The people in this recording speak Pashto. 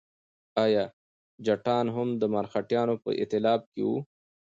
ایا جټان هم د مرهټیانو په ائتلاف کې وو؟